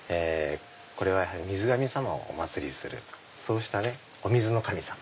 これは水神様をお祭りするそうしたお水の神様。